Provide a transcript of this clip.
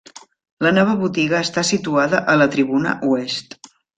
La nova botiga està situada a la tribuna oest.